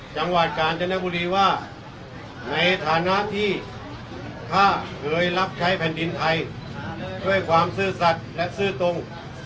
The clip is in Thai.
จังหวัดกาญจนบุรีว่าในฐานะที่พระเคยรับใช้แผ่นดินไทยด้วยความซื่อสัตว์และซื่อตรง